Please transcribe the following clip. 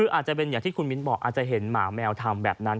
คืออาจจะเป็นอย่างที่คุณมิ้นบอกอาจจะเห็นหมาแมวทำแบบนั้น